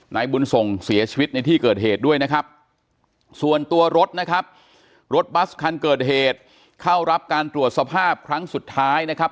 นายบุญส่งเสียชีวิตในที่เกิดเหตุด้วยนะครับส่วนตัวรถนะครับรถบัสคันเกิดเหตุเข้ารับการตรวจสภาพครั้งสุดท้ายนะครับ